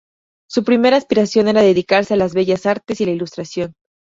Su primera aspiración era dedicarse a las bellas artes y la ilustración.